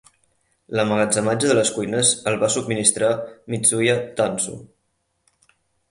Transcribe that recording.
L'emmagatzematge de les cuines el va subministrar "mizuya tansu".